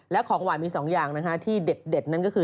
และของหวานมี๒อย่างที่เด็ดนั่นก็คือ